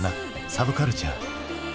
サブカルチャー。